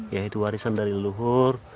itu warisan dari leluhur